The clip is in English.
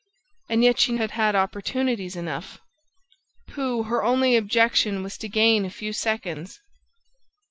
And yet she had had opportunities enough ... Pooh, her only object was to gain a few seconds!